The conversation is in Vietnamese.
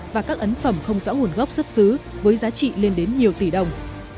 và các ấn phẩm không rõ nguồn gốc xuất xứ với giá trị lên đến nhiều tỷ đồng